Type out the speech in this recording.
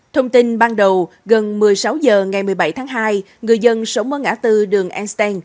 thông tin ban đầu gần một mươi sáu h ngày một mươi bảy tháng hai người dân sống ở ngã tư đường einstein